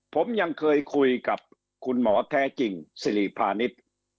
ผมยังเคยคุยกับคุณหมอแท้จริงสิริพาณิชย์